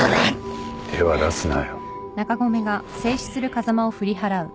手は出すなよ。